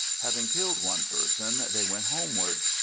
Having killed one person they went homeward.